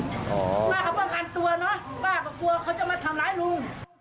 ป้าเขาป้องกันตัวเนอะป้าก็กลัวเขาจะมาทำร้ายลุง